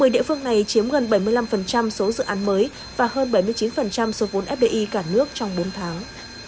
một mươi địa phương này chiếm gần bảy mươi năm số dự án mới và hơn bảy mươi chín số vốn fdi cả nước trong bốn tháng